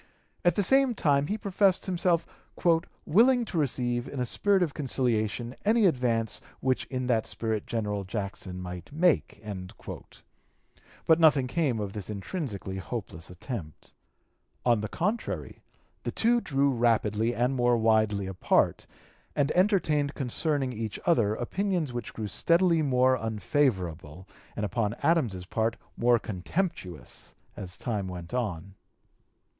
At the same time he professed himself "willing to receive in a spirit of conciliation any advance which in that spirit General Jackson might make." But nothing came of this intrinsically hopeless attempt. On the contrary the two drew rapidly and more widely apart, and (p. 241) entertained concerning each other opinions which grew steadily more unfavorable, and upon Adams's part more contemptuous, as time went on.